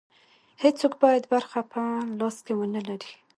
هېڅوک باید برخه په لاس کې ونه لري.